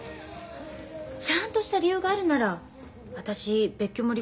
ちゃんとした理由があるなら私別居も離婚もいいと思う。